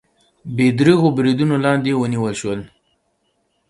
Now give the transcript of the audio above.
بې درېغو بریدونو لاندې ونیول شول